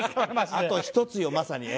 「あとひとつ」よまさにね。